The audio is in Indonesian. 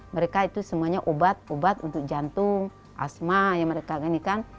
mereka itu semuanya obat obat untuk jantung asma yang mereka ini kan